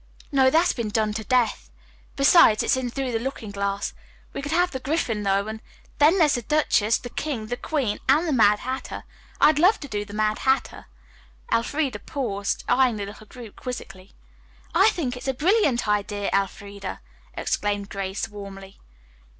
No, that's been done to death. Besides, it's in 'Through the Looking Glass.' We could have the Griffon, though, and then, there's the Duchess, the King, the Queen, and the Mad Hatter. I'd love to do the Mad Hatter." Elfreda paused, eyeing the little group quizzically. "I think that's a brilliant idea, Elfreda!" exclaimed Grace warmly.